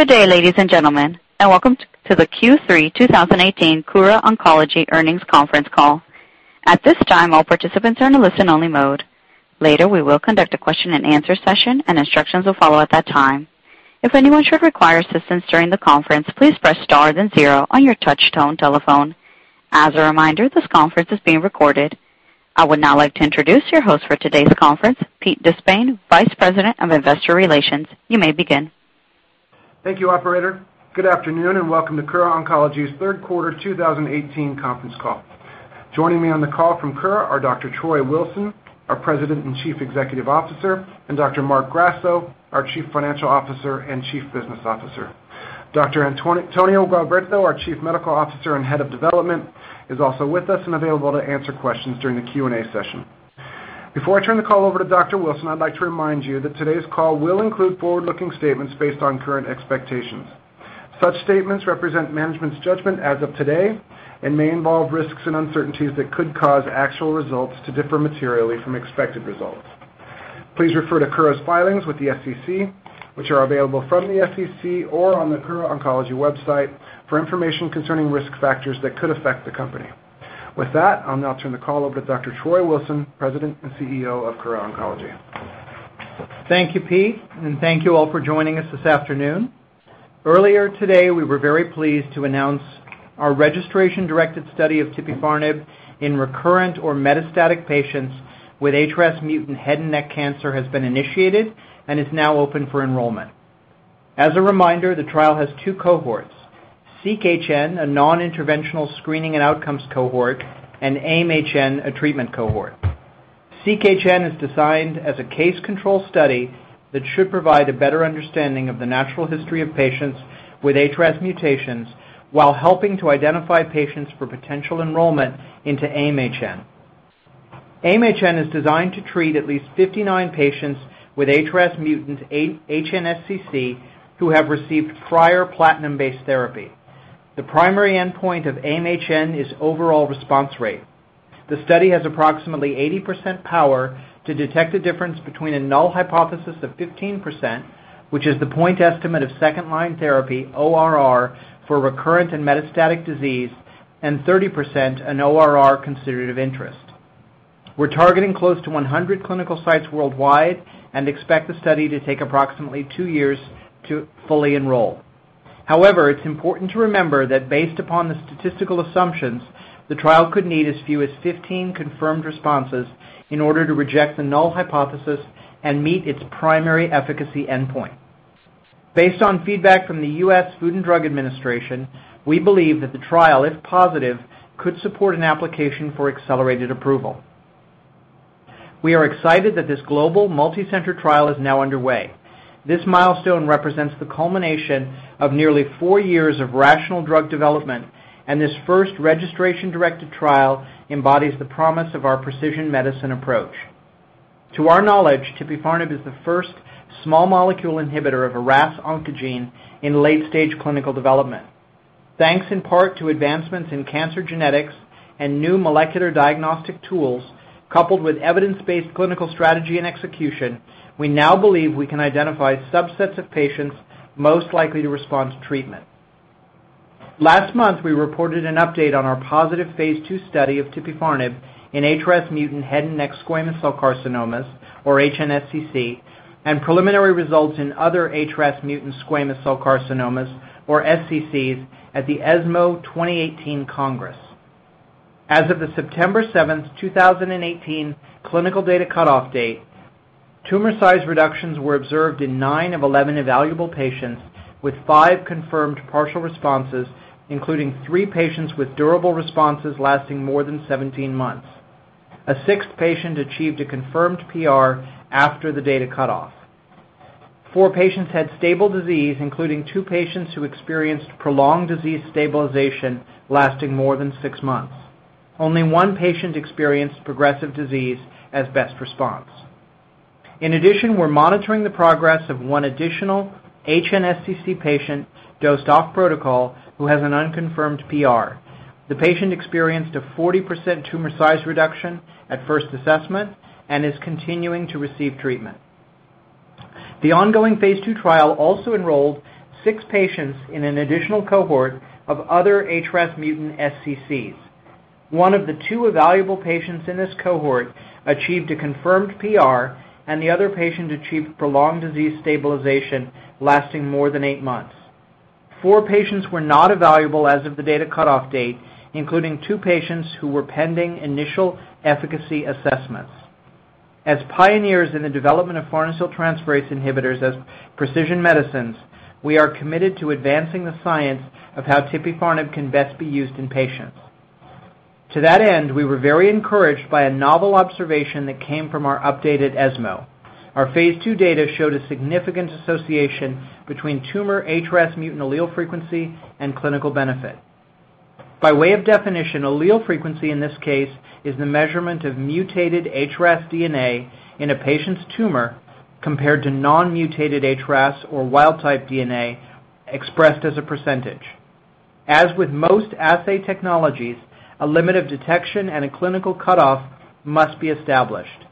Good day, ladies and gentlemen, and welcome to the Q3 2018 Kura Oncology Earnings Conference Call. At this time, all participants are in a listen-only mode. Later, we will conduct a question and answer session and instructions will follow at that time. If anyone should require assistance during the conference, please press star then zero on your touchtone telephone. As a reminder, this conference is being recorded. I would now like to introduce your host for today's conference, Pete Despain, Vice President of Investor Relations. You may begin. Thank you, operator. Good afternoon, and welcome to Kura Oncology's third quarter 2018 conference call. Joining me on the call from Kura are Dr. Troy Wilson, our President and Chief Executive Officer, and Dr. Marc Grasso, our Chief Financial Officer and Chief Business Officer. Dr. Antonio Gualberto, our Chief Medical Officer and Head of Development, is also with us and available to answer questions during the Q&A session. Before I turn the call over to Dr. Wilson, I'd like to remind you that today's call will include forward-looking statements based on current expectations. Such statements represent management's judgment as of today and may involve risks and uncertainties that could cause actual results to differ materially from expected results. Please refer to Kura's filings with the SEC, which are available from the SEC or on the Kura Oncology website, for information concerning risk factors that could affect the company. With that, I'll now turn the call over to Dr. Troy Wilson, President and CEO of Kura Oncology. Thank you, Pete, and thank you all for joining us this afternoon. Earlier today, we were very pleased to announce our registration-directed study of tipifarnib in recurrent or metastatic patients with HRAS-mutant head and neck cancer has been initiated and is now open for enrollment. As a reminder, the trial has two cohorts: SEQ-HN, a non-interventional screening and outcomes cohort, and AIM-HN, a treatment cohort. SEQ-HN is designed as a case control study that should provide a better understanding of the natural history of patients with HRAS mutations while helping to identify patients for potential enrollment into AIM-HN. AIM-HN is designed to treat at least 59 patients with HRAS mutant HNSCC who have received prior platinum-based therapy. The primary endpoint of AIM-HN is overall response rate. The study has approximately 80% power to detect a difference between a null hypothesis of 15%, which is the point estimate of second-line therapy ORR for recurrent and metastatic disease, and 30%, an ORR considered of interest. We're targeting close to 100 clinical sites worldwide and expect the study to take approximately two years to fully enroll. However, it's important to remember that based upon the statistical assumptions, the trial could need as few as 15 confirmed responses in order to reject the null hypothesis and meet its primary efficacy endpoint. Based on feedback from the U.S. Food and Drug Administration, we believe that the trial, if positive, could support an application for accelerated approval. We are excited that this global multi-center trial is now underway. This milestone represents the culmination of nearly four years of rational drug development. This first registration-directed trial embodies the promise of our precision medicine approach. To our knowledge, tipifarnib is the first small molecule inhibitor of a RAS oncogene in late-stage clinical development. Thanks in part to advancements in cancer genetics and new molecular diagnostic tools, coupled with evidence-based clinical strategy and execution, we now believe we can identify subsets of patients most likely to respond to treatment. Last month, we reported an update on our positive phase II study of tipifarnib in HRAS mutant head and neck squamous cell carcinomas, or HNSCC, and preliminary results in other HRAS mutant squamous cell carcinomas, or SCCs, at the ESMO 2018 Congress. As of the September 7th, 2018 clinical data cutoff date, tumor size reductions were observed in nine of 11 evaluable patients with five confirmed partial responses, including three patients with durable responses lasting more than 17 months. A sixth patient achieved a confirmed PR after the data cutoff. Four patients had stable disease, including two patients who experienced prolonged disease stabilization lasting more than six months. Only one patient experienced progressive disease as best response. In addition, we're monitoring the progress of one additional HNSCC patient dosed off protocol who has an unconfirmed PR. The patient experienced a 40% tumor size reduction at first assessment and is continuing to receive treatment. The ongoing phase II trial also enrolled six patients in an additional cohort of other HRAS mutant SCCs. One of the two evaluable patients in this cohort achieved a confirmed PR. The other patient achieved prolonged disease stabilization lasting more than eight months. Four patients were not evaluable as of the data cutoff date, including two patients who were pending initial efficacy assessments. As pioneers in the development of farnesyltransferase inhibitors as precision medicines, we are committed to advancing the science of how tipifarnib can best be used in patients. To that end, we were very encouraged by a novel observation that came from our updated ESMO. Our phase II data showed a significant association between tumor HRAS mutant allele frequency and clinical benefit. By way of definition, allele frequency in this case is the measurement of mutated HRAS DNA in a patient's tumor compared to non-mutated HRAS or wild-type DNA expressed as a percentage. As with most assay technologies, a limit of detection and a clinical cutoff must be established.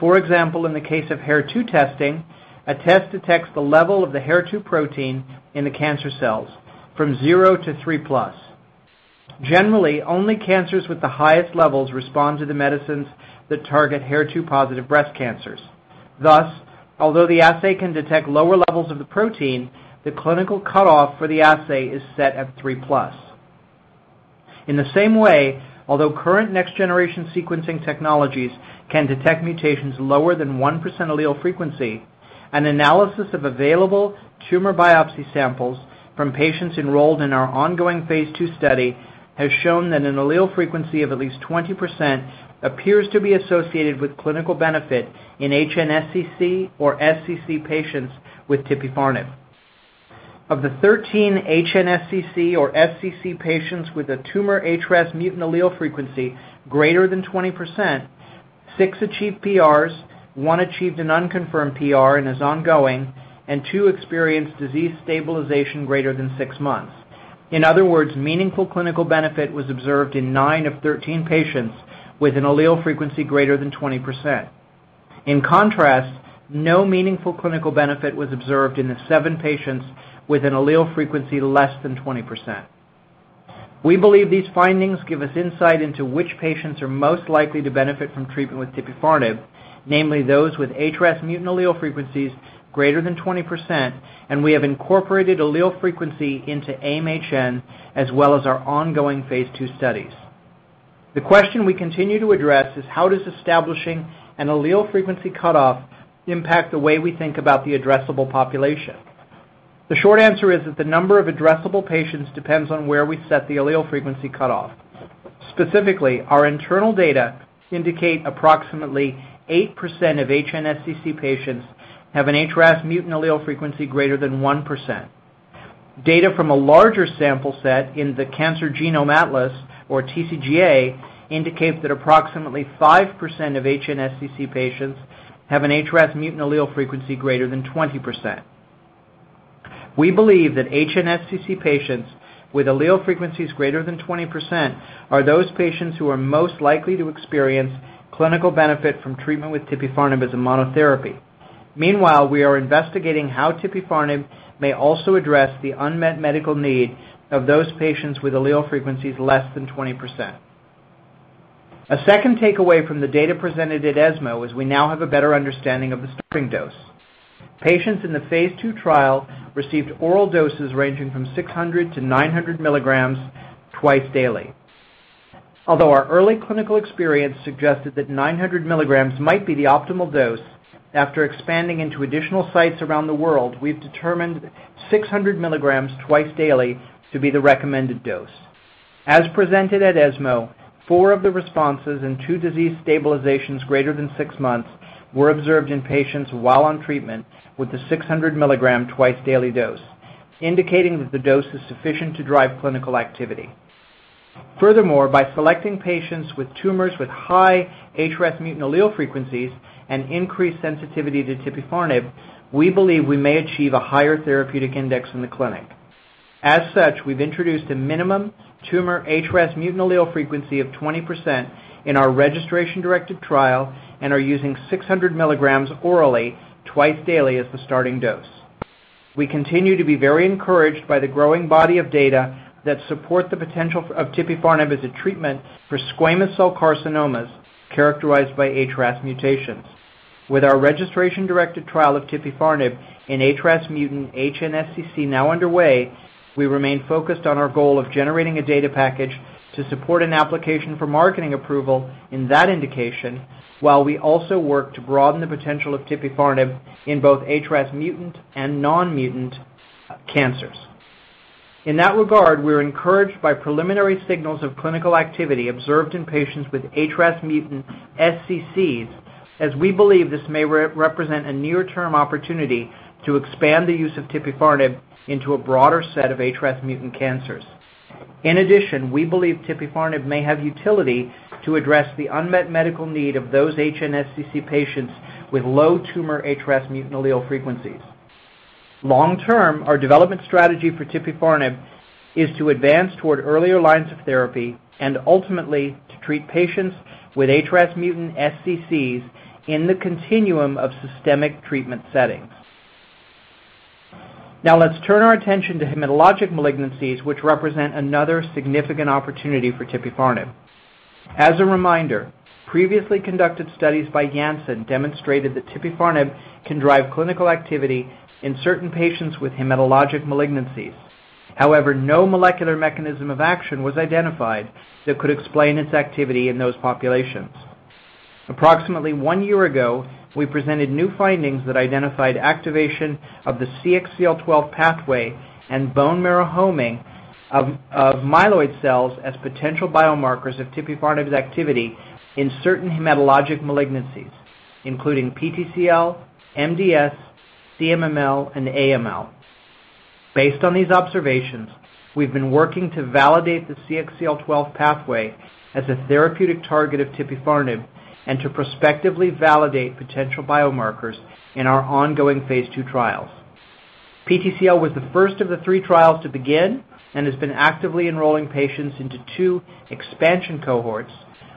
For example, in the case of HER2 testing, a test detects the level of the HER2 protein in the cancer cells from 0 to 3 plus. Generally, only cancers with the highest levels respond to the medicines that target HER2-positive breast cancers. Thus, although the assay can detect lower levels of the protein, the clinical cutoff for the assay is set at 3 plus. In the same way, although current next-generation sequencing technologies can detect mutations lower than 1% allele frequency, an analysis of available tumor biopsy samples from patients enrolled in our ongoing phase II study has shown that an allele frequency of at least 20% appears to be associated with clinical benefit in HNSCC or SCC patients with tipifarnib. Of the 13 HNSCC or SCC patients with a tumor HRAS mutant allele frequency greater than 20%, six achieved PRs, one achieved an unconfirmed PR and is ongoing, and two experienced disease stabilization greater than six months. In other words, meaningful clinical benefit was observed in nine of 13 patients with an allele frequency greater than 20%. In contrast, no meaningful clinical benefit was observed in the seven patients with an allele frequency less than 20%. We believe these findings give us insight into which patients are most likely to benefit from treatment with tipifarnib, namely those with HRAS mutant allele frequencies greater than 20%, and we have incorporated allele frequency into AIM-HN, as well as our ongoing phase II studies. The question we continue to address is: how does establishing an allele frequency cutoff impact the way we think about the addressable population? The short answer is that the number of addressable patients depends on where we set the allele frequency cutoff. Specifically, our internal data indicate approximately 8% of HNSCC patients have an HRAS mutant allele frequency greater than 1%. Data from a larger sample set in The Cancer Genome Atlas, or TCGA, indicate that approximately 5% of HNSCC patients have an HRAS mutant allele frequency greater than 20%. We believe that HNSCC patients with allele frequencies greater than 20% are those patients who are most likely to experience clinical benefit from treatment with tipifarnib as a monotherapy. Meanwhile, we are investigating how tipifarnib may also address the unmet medical need of those patients with allele frequencies less than 20%. A second takeaway from the data presented at ESMO is we now have a better understanding of the starting dose. Patients in the phase II trial received oral doses ranging from 600 to 900 milligrams twice daily. Although our early clinical experience suggested that 900 milligrams might be the optimal dose, after expanding into additional sites around the world, we've determined 600 milligrams twice daily to be the recommended dose. As presented at ESMO, four of the responses and two disease stabilizations greater than six months were observed in patients while on treatment with a 600 milligrams twice daily dose, indicating that the dose is sufficient to drive clinical activity. Furthermore, by selecting patients with tumors with high HRAS mutant allele frequencies and increased sensitivity to tipifarnib, we believe we may achieve a higher therapeutic index in the clinic. As such, we've introduced a minimum tumor HRAS mutant allele frequency of 20% in our registration-directed trial and are using 600 milligrams orally twice daily as the starting dose. We continue to be very encouraged by the growing body of data that support the potential of tipifarnib as a treatment for squamous cell carcinomas characterized by HRAS mutations. With our registration-directed trial of tipifarnib in HRAS mutant HNSCC now underway, we remain focused on our goal of generating a data package to support an application for marketing approval in that indication, while we also work to broaden the potential of tipifarnib in both HRAS mutant and non-mutant cancers. In that regard, we're encouraged by preliminary signals of clinical activity observed in patients with HRAS mutant SCCs, as we believe this may represent a near-term opportunity to expand the use of tipifarnib into a broader set of HRAS mutant cancers. In addition, we believe tipifarnib may have utility to address the unmet medical need of those HNSCC patients with low tumor HRAS mutant allele frequencies. Long term, our development strategy for tipifarnib is to advance toward earlier lines of therapy and ultimately to treat patients with HRAS mutant SCCs in the continuum of systemic treatment settings. Now let's turn our attention to hematologic malignancies, which represent another significant opportunity for tipifarnib. As a reminder, previously conducted studies by Janssen demonstrated that tipifarnib can drive clinical activity in certain patients with hematologic malignancies. However, no molecular mechanism of action was identified that could explain its activity in those populations. Approximately one year ago, we presented new findings that identified activation of the CXCL12 pathway and bone marrow homing of myeloid cells as potential biomarkers of tipifarnib's activity in certain hematologic malignancies, including PTCL, MDS, CMML, and AML. Based on these observations, we've been working to validate the CXCL12 pathway as a therapeutic target of tipifarnib and to prospectively validate potential biomarkers in our ongoing phase II trial. PTCL was the first of the three trials to begin and has been actively enrolling patients into two expansion cohorts,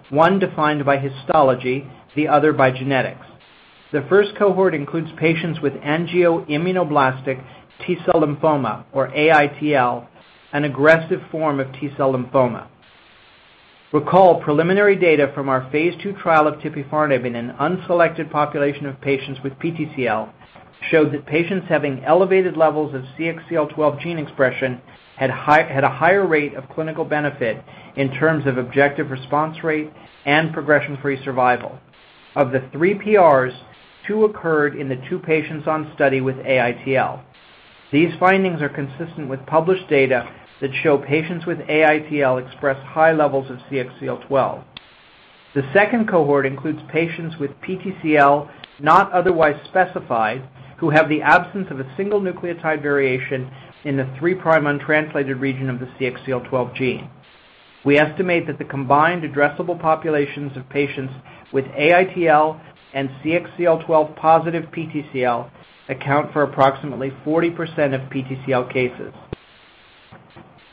one defined by histology, the other by genetics. The first cohort includes patients with angioimmunoblastic T-cell lymphoma, or AITL, an aggressive form of T-cell lymphoma. Recall preliminary data from our phase II trial of tipifarnib in an unselected population of patients with PTCL showed that patients having elevated levels of CXCL12 gene expression had a higher rate of clinical benefit in terms of objective response rate and progression-free survival. Of the three PRs, two occurred in the two patients on study with AITL. These findings are consistent with published data that show patients with AITL express high levels of CXCL12. The second cohort includes patients with PTCL not otherwise specified, who have the absence of a single nucleotide variation in the three-prime untranslated region of the CXCL12 gene. We estimate that the combined addressable populations of patients with AITL and CXCL12 positive PTCL account for approximately 40% of PTCL cases.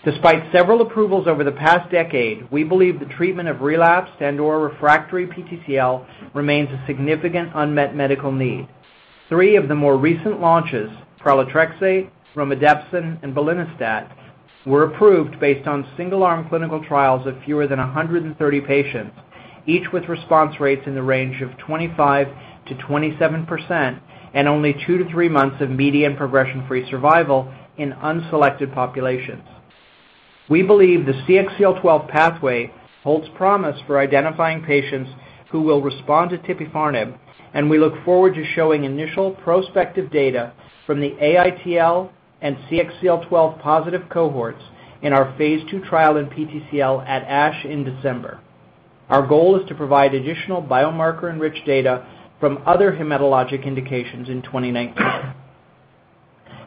Despite several approvals over the past decade, we believe the treatment of relapsed and/or refractory PTCL remains a significant unmet medical need. Three of the more recent launches, pralatrexate, romidepsin, and belinostat, were approved based on single-arm clinical trials of fewer than 130 patients, each with response rates in the range of 25%-27%, and only 2-3 months of median progression-free survival in unselected populations. We believe the CXCL12 pathway holds promise for identifying patients who will respond to tipifarnib, and we look forward to showing initial prospective data from the AITL and CXCL12 positive cohorts in our phase II trial in PTCL at ASH in December. Our goal is to provide additional biomarker-enriched data from other hematologic indications in 2019.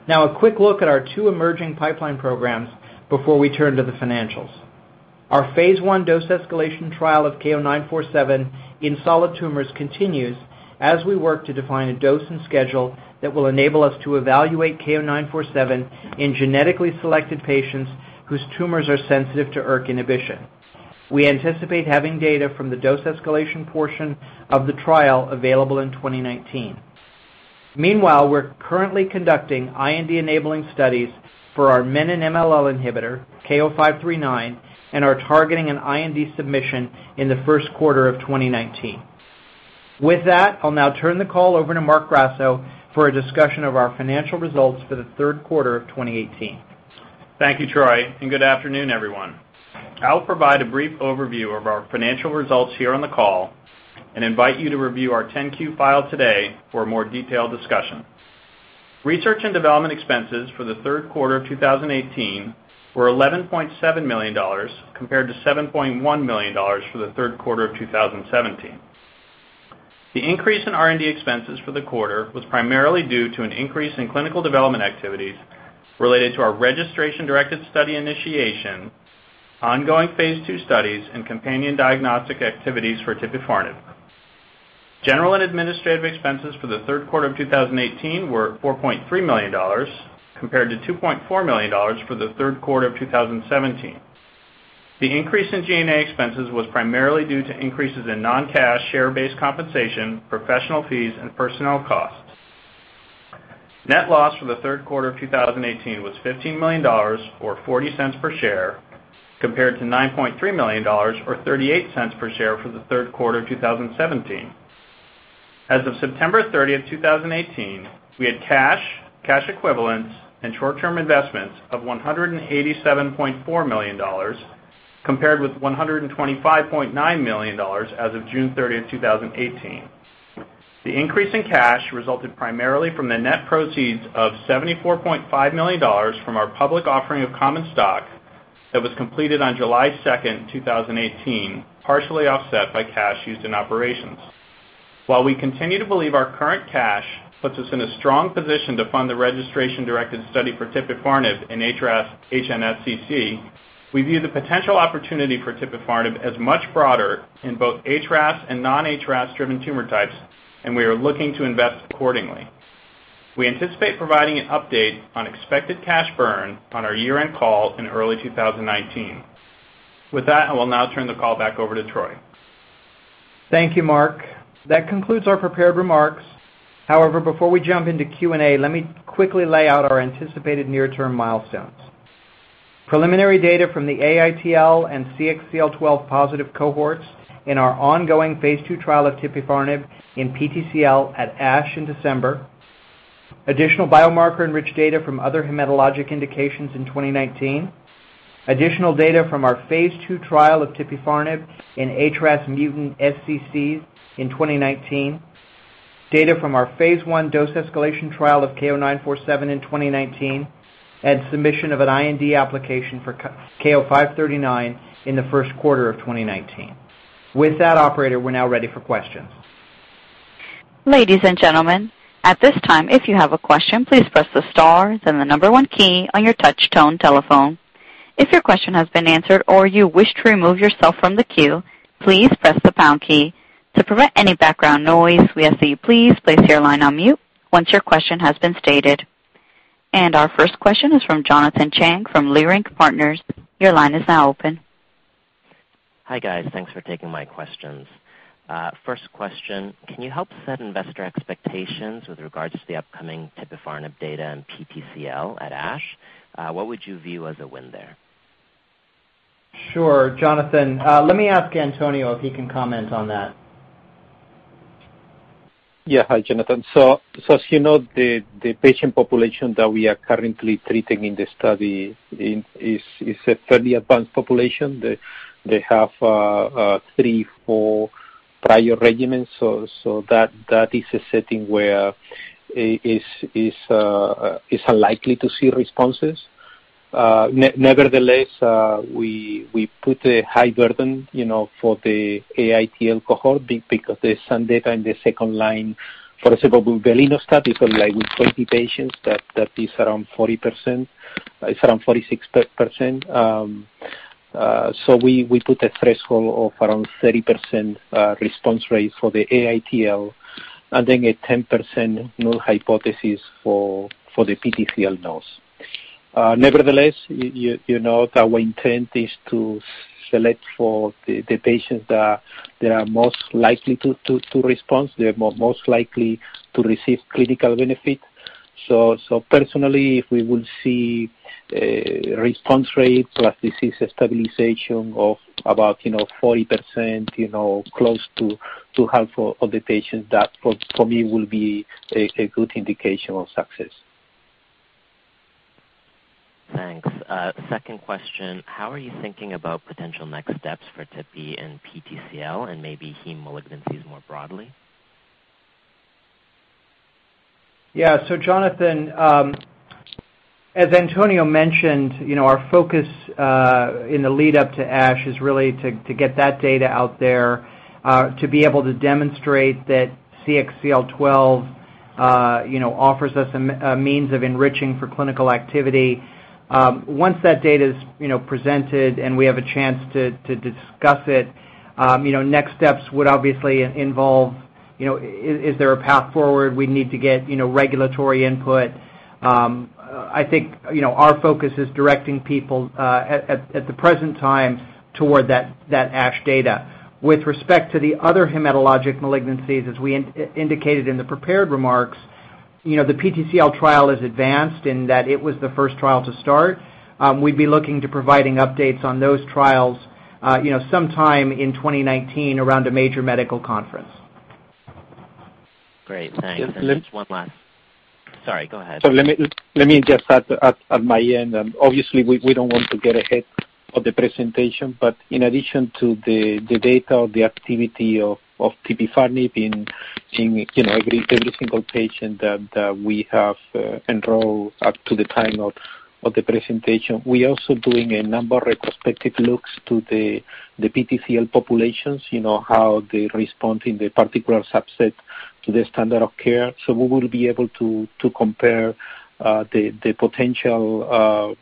Now a quick look at our two emerging pipeline programs before we turn to the financials. Our phase I dose escalation trial of KO-947 in solid tumors continues as we work to define a dose and schedule that will enable us to evaluate KO-947 in genetically selected patients whose tumors are sensitive to ERK inhibition. We anticipate having data from the dose escalation portion of the trial available in 2019. Meanwhile, we're currently conducting IND-enabling studies for our Menin-MLL inhibitor, KO-539, and are targeting an IND submission in the first quarter of 2019. With that, I'll now turn the call over to Marc Grasso for a discussion of our financial results for the third quarter of 2018. Thank you, Troy, and good afternoon, everyone. I'll provide a brief overview of our financial results here on the call and invite you to review our 10-Q file today for a more detailed discussion. Research and development expenses for the third quarter of 2018 were $11.7 million, compared to $7.1 million for the third quarter of 2017. The increase in R&D expenses for the quarter was primarily due to an increase in clinical development activities related to our registration-directed study initiation, ongoing phase II studies, and companion diagnostic activities for tipifarnib. General and administrative expenses for the third quarter of 2018 were $4.3 million, compared to $2.4 million for the third quarter of 2017. The increase in G&A expenses was primarily due to increases in non-cash share-based compensation, professional fees, and personnel costs. Net loss for the third quarter of 2018 was $15 million, or $0.40 per share, compared to $9.3 million, or $0.38 per share for the third quarter of 2017. As of September 30th, 2018, we had cash equivalents, and short-term investments of $187.4 million, compared with $125.9 million as of June 30th, 2018. The increase in cash resulted primarily from the net proceeds of $74.5 million from our public offering of common stock that was completed on July 2nd, 2018, partially offset by cash used in operations. While we continue to believe our current cash puts us in a strong position to fund the registration-directed study for tipifarnib in HRAS HNSCC, we view the potential opportunity for tipifarnib as much broader in both HRAS and non-HRAS-driven tumor types, and we are looking to invest accordingly. We anticipate providing an update on expected cash burn on our year-end call in early 2019. With that, I will now turn the call back over to Troy. Thank you, Marc. That concludes our prepared remarks. Before we jump into Q&A, let me quickly lay out our anticipated near-term milestones. Preliminary data from the AITL and CXCL12 positive cohorts in our ongoing phase II trial of tipifarnib in PTCL at ASH in December, additional biomarker-enriched data from other hematologic indications in 2019, additional data from our phase II trial of tipifarnib in HRAS mutant SCCs in 2019, data from our phase I dose escalation trial of KO-947 in 2019, and submission of an IND application for KO-539 in the first quarter of 2019. With that, operator, we're now ready for questions. Ladies and gentlemen, at this time, if you have a question, please press the star, then the number 1 key on your touch-tone telephone. If your question has been answered or you wish to remove yourself from the queue, please press the pound key. To prevent any background noise, we ask that you please place your line on mute once your question has been stated. Our first question is from Jonathan Chang from Leerink Partners. Your line is now open. Hi, guys. Thanks for taking my questions. First question, can you help set investor expectations with regards to the upcoming tipifarnib data and PTCL at ASH? What would you view as a win there? Sure. Jonathan, let me ask Antonio if he can comment on that. Yeah. Hi, Jonathan. As you know, the patient population that we are currently treating in the study is a fairly advanced population. They have three, four prior regimens. That is a setting where it is unlikely to see responses. Nevertheless, we put a high burden for the AITL cohort because there's some data in the second line. For example, the belinostat study for like with 20 patients, that is around 46%. We put a threshold of around 30% response rate for the AITL and then a 10% null hypothesis for the PTCL-NOS. Nevertheless, you know that our intent is to select for the patients that are most likely to respond, they're most likely to receive clinical benefit. Personally, if we would see response rate plus disease stabilization of about 40%, close to half of the patients, that for me will be a good indication of success. Thanks. Second question, how are you thinking about potential next steps for Tipi and PTCL and maybe heme malignancies more broadly? Yeah. Jonathan, as Antonio mentioned, our focus in the lead up to ASH is really to get that data out there, to be able to demonstrate that CXCL12 offers us a means of enriching for clinical activity. Once that data is presented and we have a chance to discuss it, next steps would obviously involve, is there a path forward? We need to get regulatory input. I think our focus is directing people, at the present time, toward that ASH data. With respect to the other hematologic malignancies, as we indicated in the prepared remarks, the PTCL trial is advanced in that it was the first trial to start. We'd be looking to providing updates on those trials sometime in 2019 around a major medical conference. Great. Thanks. Just one last Sorry, go ahead. Let me just add at my end, obviously, we don't want to get ahead of the presentation, but in addition to the data or the activity of tipifarnib in every single patient that we have enrolled up to the time of the presentation, we're also doing a number of retrospective looks to the PTCL populations, how they respond in the particular subset to the standard of care. We will be able to compare the potential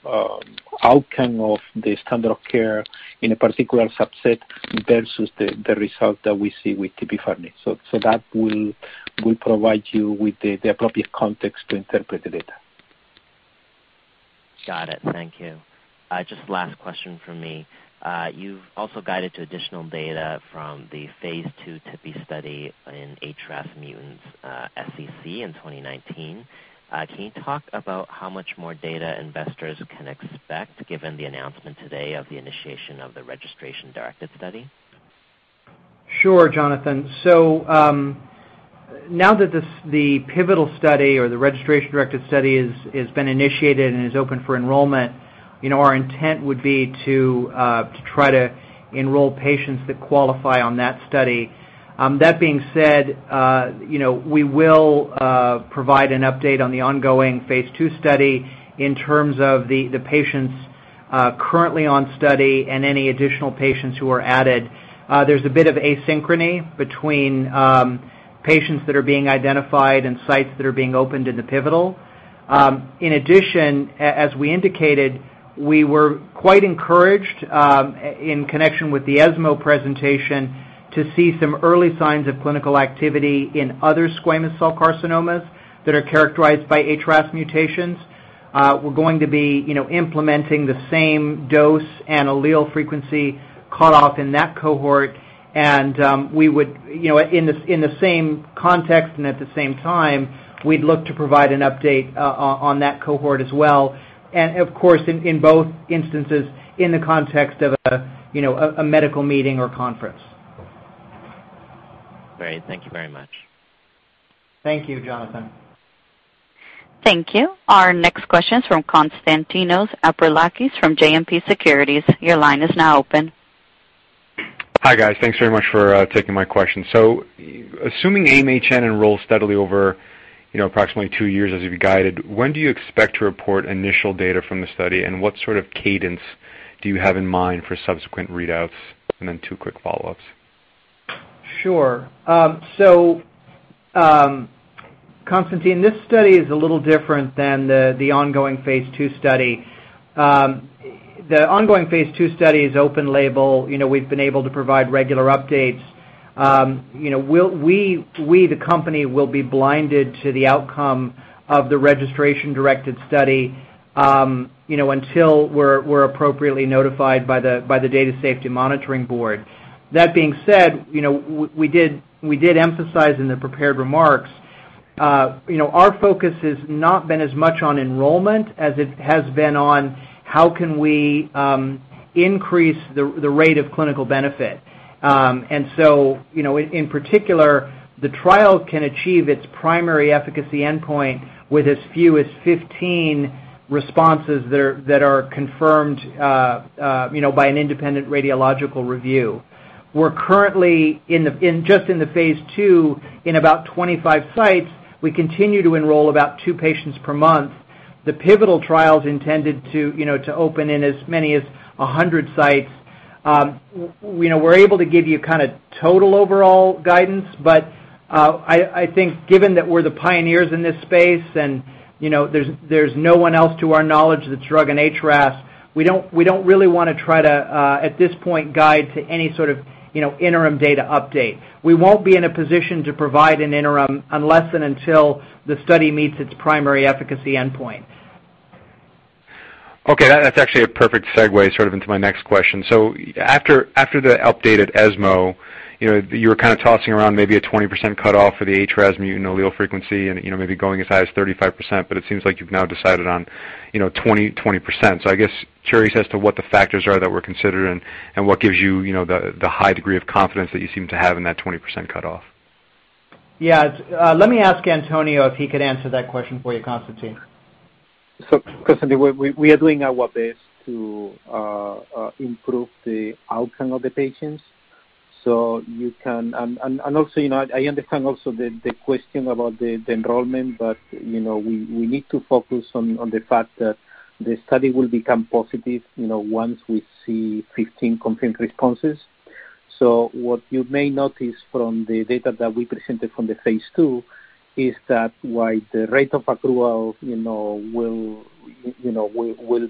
outcome of the standard of care in a particular subset versus the result that we see with tipifarnib. That will provide you with the appropriate context to interpret the data. Got it. Thank you. Just last question from me. You've also guided to additional data from the phase II Tipi study in HRAS mutant SCC in 2019. Can you talk about how much more data investors can expect given the announcement today of the initiation of the registration directed study? Sure, Jonathan. Now that the pivotal study or the registration directed study has been initiated and is open for enrollment, our intent would be to try to enroll patients that qualify on that study. That being said, we will provide an update on the ongoing phase II study in terms of the patients currently on study and any additional patients who are added. There's a bit of asynchrony between patients that are being identified and sites that are being opened in the pivotal. In addition, as we indicated, we were quite encouraged, in connection with the ESMO presentation, to see some early signs of clinical activity in other squamous cell carcinomas that are characterized by HRAS mutations. We're going to be implementing the same dose and allele frequency cutoff in that cohort. In the same context and at the same time, we'd look to provide an update on that cohort as well. Of course, in both instances, in the context of a medical meeting or conference. Great. Thank you very much. Thank you, Jonathan. Thank you. Our next question is from Konstantinos Aprilakis from JMP Securities. Your line is now open. Hi, guys. Thanks very much for taking my question. Assuming AIM-HN enrolls steadily over approximately two years as you've guided, when do you expect to report initial data from the study, and what sort of cadence do you have in mind for subsequent readouts? Two quick follow-ups. Sure. Konstantin, this study is a little different than the ongoing phase II study. The ongoing phase II study is open label. We've been able to provide regular updates. We, the company, will be blinded to the outcome of the registration-directed study until we're appropriately notified by the data safety monitoring board. That being said, we did emphasize in the prepared remarks, our focus has not been as much on enrollment as it has been on how can we increase the rate of clinical benefit. In particular, the trial can achieve its primary efficacy endpoint with as few as 15 responses that are confirmed by an independent radiological review. We're currently just in the phase II in about 25 sites. We continue to enroll about two patients per month. The pivotal trial's intended to open in as many as 100 sites. We're able to give you kind of total overall guidance, I think given that we're the pioneers in this space, there's no one else to our knowledge that's drugging HRAS, we don't really want to try to, at this point, guide to any sort of interim data update. We won't be in a position to provide an interim unless and until the study meets its primary efficacy endpoint. Okay. That's actually a perfect segue sort of into my next question. After the update at ESMO, you were kind of tossing around maybe a 20% cutoff for the HRAS mutant allele frequency and maybe going as high as 35%, but it seems like you've now decided on 20%. I guess curious as to what the factors are that were considered and what gives you the high degree of confidence that you seem to have in that 20% cutoff. Yeah. Let me ask Antonio if he could answer that question for you, Konstantin. Konstantin, we are doing our best to improve the outcome of the patients. I understand also the question about the enrollment, we need to focus on the fact that the study will become positive once we see 15 confirmed responses. What you may notice from the data that we presented from the phase II is that while the rate of accrual will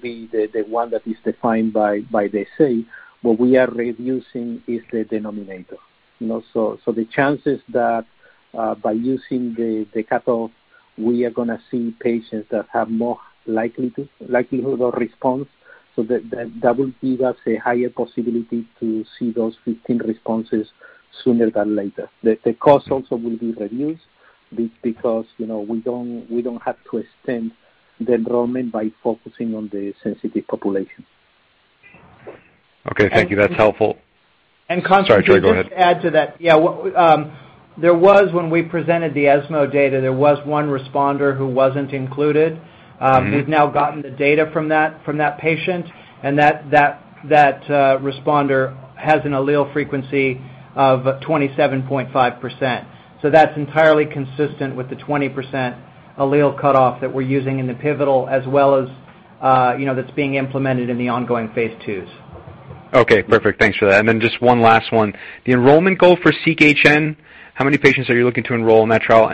be the one that is defined by the SE, what we are reducing is the denominator. The chances that by using the cutoff, we are going to see patients that have more likelihood of response, that will give us a higher possibility to see those 15 responses sooner than later. The cost also will be reduced because we don't have to extend the enrollment by focusing on the sensitive population. Okay. Thank you. That's helpful. Konstantin- Sorry, Troy, go ahead. Just to add to that. Yeah. When we presented the ESMO data, there was one responder who wasn't included. We've now gotten the data from that patient, that responder has an allele frequency of 27.5%. That's entirely consistent with the 20% allele cutoff that we're using in the pivotal as well as that's being implemented in the ongoing phase IIs. Okay, perfect. Thanks for that. Just one last one. The enrollment goal for SEQ-HN, how many patients are you looking to enroll in that trial?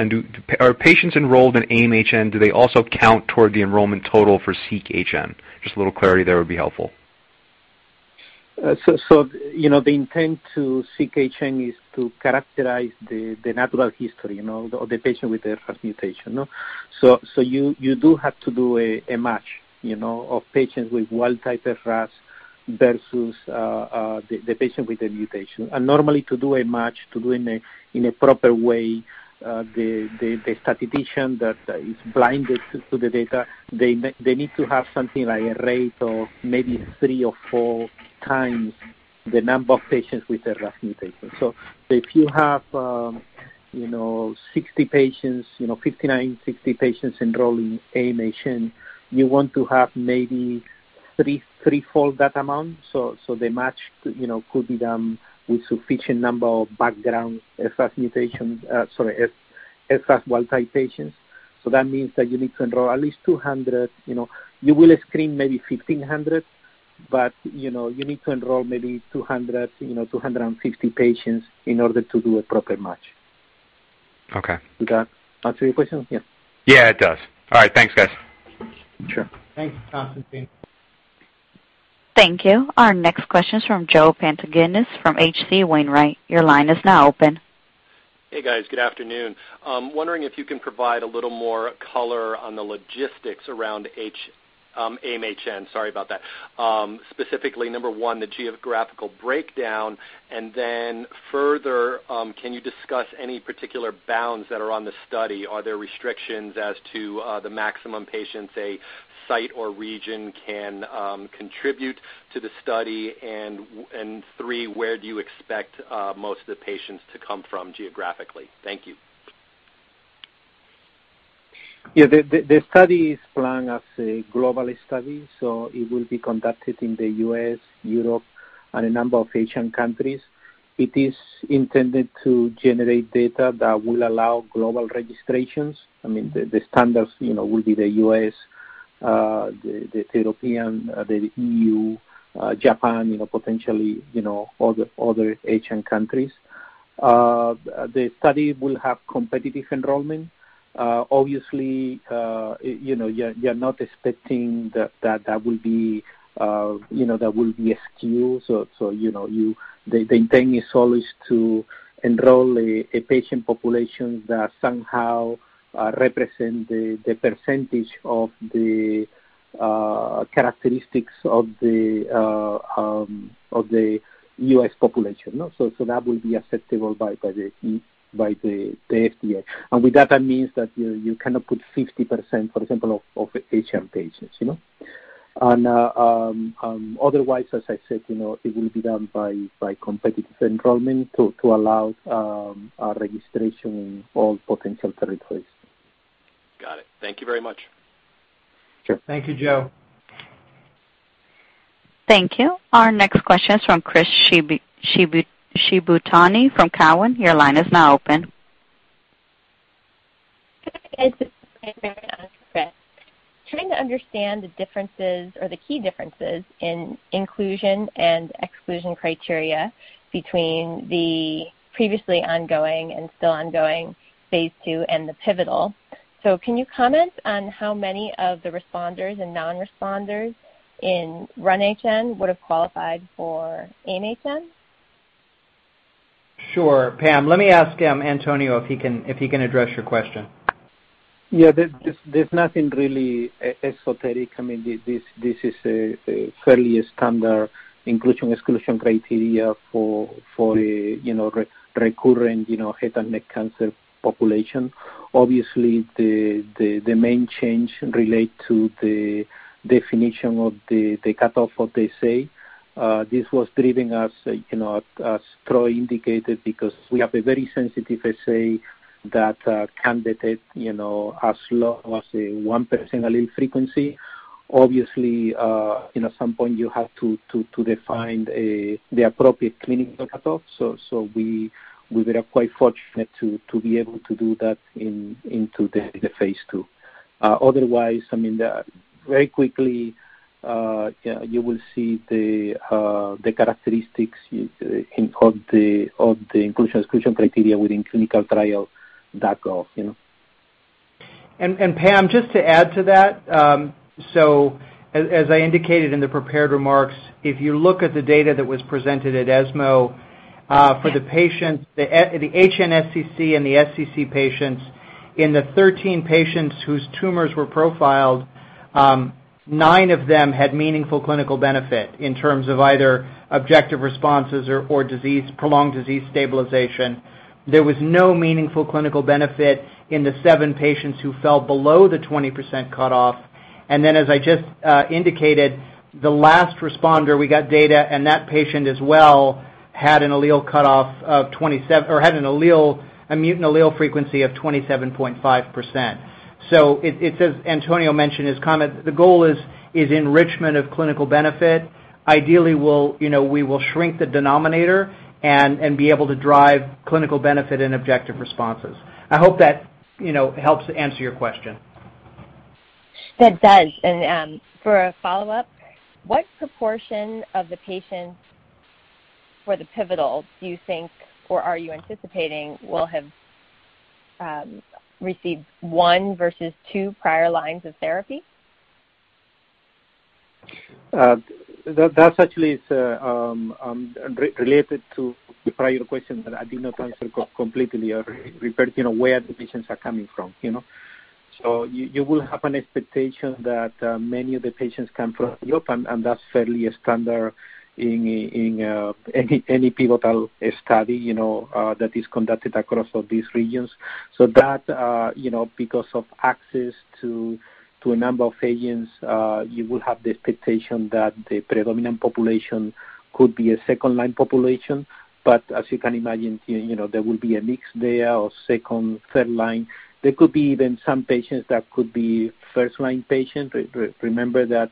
Are patients enrolled in AIM-HN, do they also count toward the enrollment total for SEQ-HN? Just a little clarity there would be helpful. The intent to SEQ-HN is to characterize the natural history of the patient with HRAS mutation. You do have to do a match of patients with wild-type HRAS versus the patient with the mutation. Normally to do a match, to do in a proper way, the statistician that is blinded to the data, they need to have something like a rate of maybe three or four times the number of patients with HRAS mutation. If you have 60 patients, 59, 60 patients enrolled in AIM-HN, you want to have maybe threefold that amount so the match could be done with sufficient number of background HRAS mutation, sorry, HRAS wild-type patients. That means that you need to enroll at least 200. You will screen maybe 1,500, you need to enroll maybe 200, 250 patients in order to do a proper match. Okay. Does that answer your question? Yeah. Yeah, it does. All right. Thanks, guys. Sure. Thank you, Konstantin. Thank you. Our next question is from Joe Pantginis from H.C. Wainwright. Your line is now open. Hey, guys. Good afternoon. Wondering if you can provide a little more color on the logistics around AIM-HN. Sorry about that. Specifically, number one, the geographical breakdown, then further, can you discuss any particular bounds that are on the study? Are there restrictions as to the maximum patients a site or region can contribute to the study? Three, where do you expect most of the patients to come from geographically? Thank you. Yeah. The study is planned as a global study, so it will be conducted in the U.S., Europe, and a number of Asian countries. It is intended to generate data that will allow global registrations. I mean, the standards will be the U.S., the European, the EU, Japan, potentially other Asian countries. The study will have competitive enrollment. Obviously, you are not expecting that will be a skew. The intent is always to enroll a patient population that somehow represents the percentage of the characteristics of the U.S. population. That will be acceptable by the FDA. With that means that you cannot put 50%, for example, of Asian patients. Otherwise, as I said, it will be done by competitive enrollment to allow registration in all potential territories. Got it. Thank you very much. Sure. Thank you, Joe. Thank you. Our next question is from Chris Shibutani from Cowen. Your line is now open. Trying to understand the differences or the key differences in inclusion and exclusion criteria between the previously ongoing and still ongoing phase II and the pivotal. Can you comment on how many of the responders and non-responders in RUN-HN would have qualified for AIM-HN? Sure. Pam, let me ask Antonio if he can address your question. Yeah. There is nothing really esoteric. This is a fairly standard inclusion, exclusion criteria for a recurring head and neck cancer population. Obviously, the main change relate to the definition of the cutoff of the assay. This was driven, as Troy indicated, because we have a very sensitive assay that can detect as low as a 1% allele frequency. Obviously, at some point you have to define the appropriate clinical cutoff. We were quite fortunate to be able to do that into the phase II. Otherwise, very quickly, you will see the characteristics of the inclusion, exclusion criteria within ClinicalTrials.gov. Pam, just to add to that, as I indicated in the prepared remarks, if you look at the data that was presented at ESMO for the HNSCC and the SCC patients, in the 13 patients whose tumors were profiled, nine of them had meaningful clinical benefit in terms of either objective responses or prolonged disease stabilization. There was no meaningful clinical benefit in the seven patients who fell below the 20% cutoff. As I just indicated, the last responder, we got data, and that patient as well had a mutant allele frequency of 27.5%. As Antonio mentioned in his comment, the goal is enrichment of clinical benefit. Ideally, we will shrink the denominator and be able to drive clinical benefit and objective responses. I hope that helps to answer your question. That does. For a follow-up, what proportion of the patients for the pivotal do you think, or are you anticipating will have received one versus two prior lines of therapy? That actually is related to the prior question that I did not answer completely referring where the patients are coming from. You will have an expectation that many of the patients come from Europe, and that's fairly standard in any pivotal study that is conducted across these regions. That, because of access to a number of agents, you will have the expectation that the predominant population could be a second-line population. As you can imagine, there will be a mix there of second, third-line. There could be even some patients that could be first-line patients. Remember that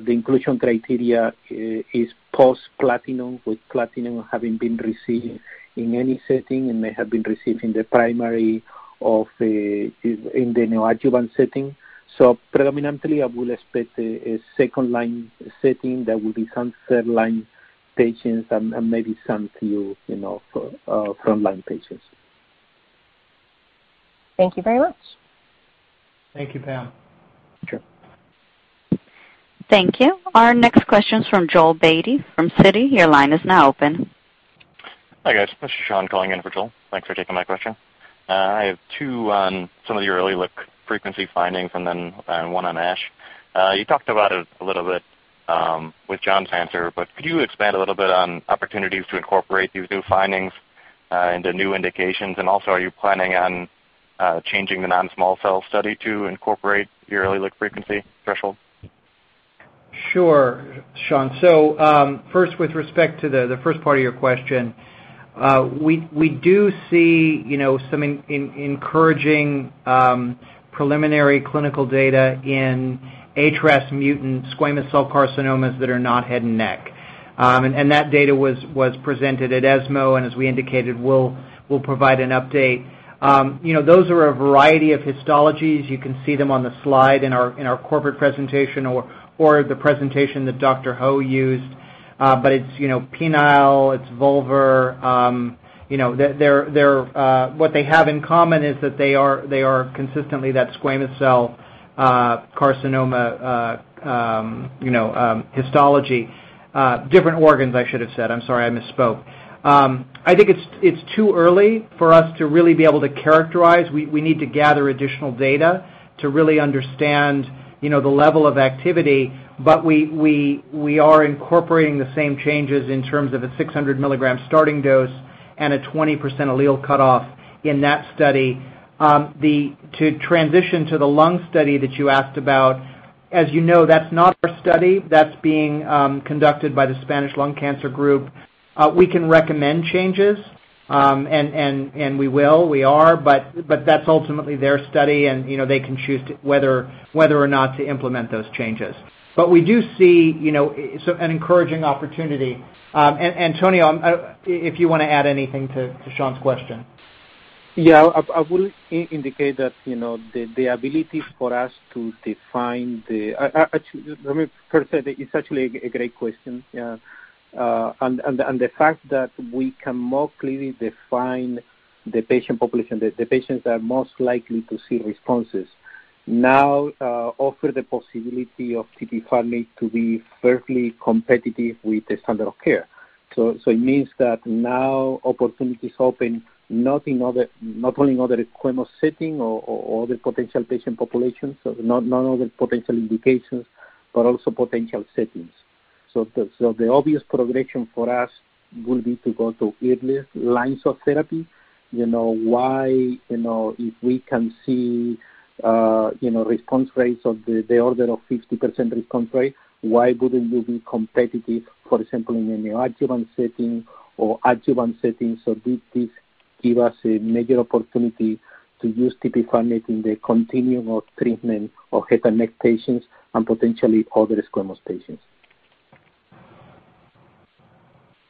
the inclusion criteria is post-platinum, with platinum having been received in any setting and may have been received in the primary or in the neoadjuvant setting. Predominantly, I will expect a second-line setting. There will be some third-line patients and maybe some few front-line patients. Thank you very much. Thank you, Pam. Sure. Thank you. Our next question is from Joel Beatty from Citi. Your line is now open. Hi, guys. This is Sean calling in for Joel. Thanks for taking my question. I have two on some of your early look frequency findings, then one on ASH. You talked about it a little bit with John's answer, could you expand a little bit on opportunities to incorporate these new findings into new indications? Also, are you planning on changing the non-small cell study to incorporate your early look frequency threshold? Sure, Sean. First, with respect to the first part of your question, we do see some encouraging preliminary clinical data in HRAS mutant squamous cell carcinomas that are not head and neck. That data was presented at ESMO, as we indicated, we'll provide an update. Those are a variety of histologies. You can see them on the slide in our corporate presentation or the presentation that Dr. Ho used. It's penile, it's vulvar. What they have in common is that they are consistently that squamous cell carcinoma histology. Different organs, I should have said. I'm sorry, I misspoke. I think it's too early for us to really be able to characterize. We need to gather additional data to really understand the level of activity. We are incorporating the same changes in terms of a 600 mg starting dose and a 20% allele cutoff in that study. To transition to the lung study that you asked about, as you know, that's not our study. That's being conducted by the Spanish Lung Cancer Group. We can recommend changes, we will. We are. That's ultimately their study, they can choose whether or not to implement those changes. We do see an encouraging opportunity. Antonio, if you want to add anything to Sean's question. Yeah, I will indicate that the ability for us to define. Actually, let me first say that it's actually a great question, yeah. The fact that we can more clearly define the patient population, the patients that are most likely to see responses now offer the possibility of tipifarnib to be fairly competitive with the standard of care. It means that now opportunities open not only in other squamous setting or other potential patient populations, not only potential indications, but also potential settings. The obvious progression for us will be to go to earlier lines of therapy. If we can see response rates of the order of 50% response rate, why wouldn't we be competitive, for example, in the neoadjuvant setting or adjuvant setting? This gives us a major opportunity to use tipifarnib in the continuum of treatment of head and neck patients and potentially other squamous patients.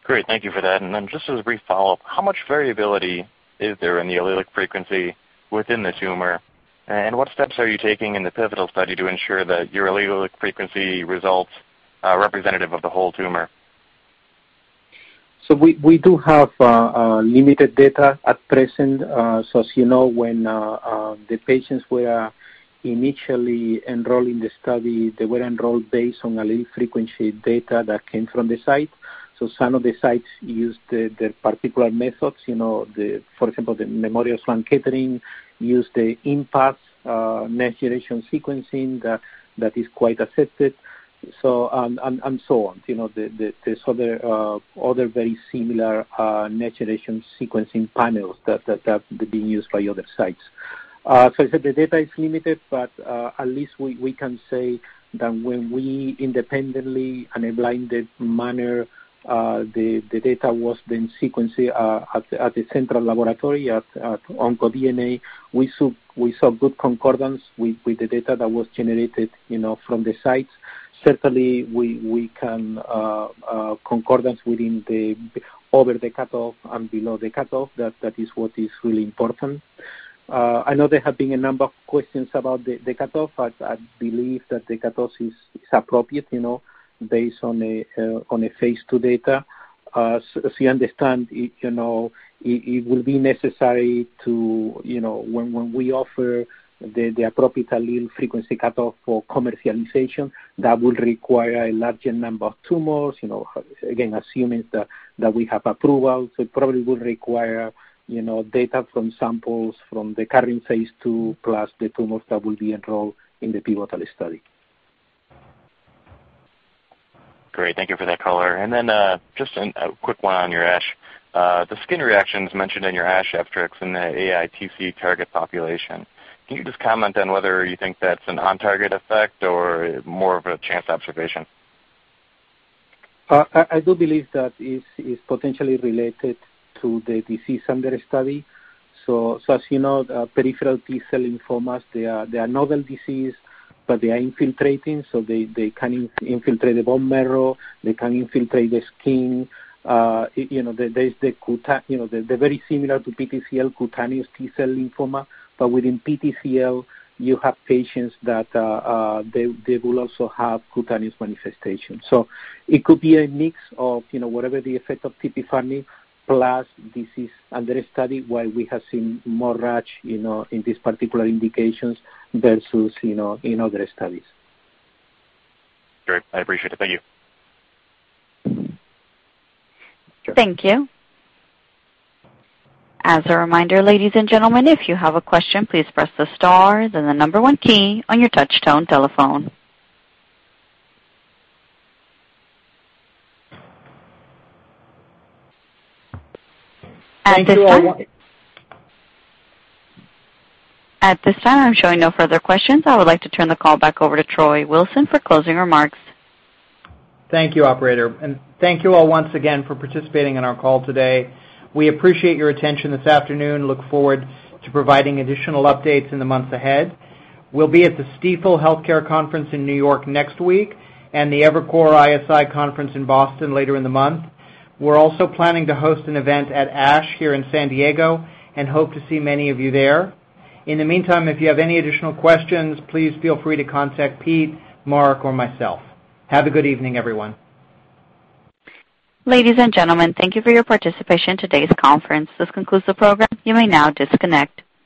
Great. Thank you for that. Just as a brief follow-up, how much variability is there in the allelic frequency within the tumor? What steps are you taking in the pivotal study to ensure that your allelic frequency results are representative of the whole tumor? We do have limited data at present. As you know, when the patients were initially enrolled in the study, they were enrolled based on allelic frequency data that came from the site. Some of the sites used their particular methods, for example, the Memorial Sloan Kettering used the MSK-IMPACT that is quite accepted and so on. There is other very similar next-generation sequencing panels that have been used by other sites. As I said, the data is limited, but at least we can say that when we independently in a blinded manner the data was then sequenced at the central laboratory at OncoDNA, we saw good concordance with the data that was generated from the sites. Certainly, we can concordance over the cutoff and below the cutoff. That is what is really important. I know there have been a number of questions about the cutoff, I believe that the cutoff is appropriate, based on the phase II data. As you understand, it will be necessary to, when we offer the appropriate allele frequency cutoff for commercialization, that will require a larger number of tumors. Again, assuming that we have approval, it probably will require data from samples from the current phase II plus the tumors that will be enrolled in the pivotal study. Great. Thank you for that color. Just a quick one on your ASH. The skin reactions mentioned in your ASH abstracts in the AITL target population. Can you just comment on whether you think that's an on-target effect or more of a chance observation? I do believe that it's potentially related to the disease under study. As you know, peripheral T-cell lymphomas, they are novel disease, but they are infiltrating, so they can infiltrate the bone marrow, they can infiltrate the skin. They're very similar to PTCL, cutaneous T-cell lymphoma. Within PTCL, you have patients that they will also have cutaneous manifestations. It could be a mix of whatever the effect of tipifarnib plus disease under study, why we have seen more rash in these particular indications versus in other studies. Great. I appreciate it. Thank you. Sure. Thank you. As a reminder, ladies and gentlemen, if you have a question, please press the star, then the number 1 key on your touch-tone telephone. At this time. Thank you, everyone At this time, I'm showing no further questions. I would like to turn the call back over to Troy Wilson for closing remarks. Thank you, operator, and thank you all once again for participating in our call today. We appreciate your attention this afternoon. Look forward to providing additional updates in the months ahead. We'll be at the Stifel Healthcare Conference in New York next week and the Evercore ISI conference in Boston later in the month. We're also planning to host an event at ASH here in San Diego and hope to see many of you there. In the meantime, if you have any additional questions, please feel free to contact Pete, Mark or myself. Have a good evening, everyone. Ladies and gentlemen, thank you for your participation in today's conference. This concludes the program. You may now disconnect.